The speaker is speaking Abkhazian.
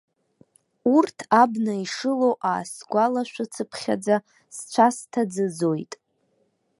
Урҭ абна ишылоу аасгәалашәацыԥхьаӡа, сцәа сҭаӡыӡоит.